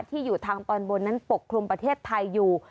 ที่อยู่ทางตอนบนนั้นปกคลุมประเทศไทยอยู่